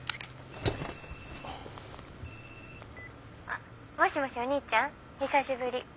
あっもしもしお兄ちゃん久しぶり。